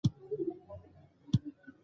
زما میرمن ښه پخلی کوي